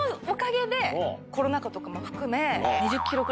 コロナ禍とかも含め。